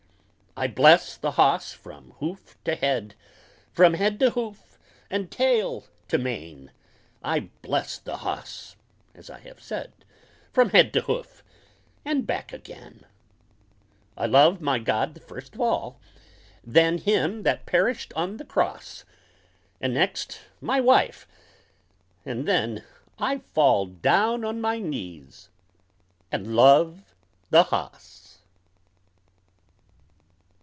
I bless the hoss from hoof to head From head to hoof, and tale to mane! I bless the hoss, as I have said, From head to hoof, and back again! I love my God the first of all, Then Him that perished on the cross, And next, my wife, and then I fall Down on my knees and love the hoss.